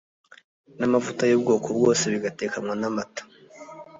n’amavuta y’ubwoko bwose, bigatekanwa n’amata